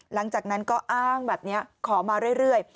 หลังจากนั้นก็อ้างแบบนี้ขอมาเรื่อย